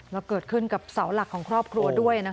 แล้วเกิดขึ้นกับเสาหลักของครอบครัวด้วย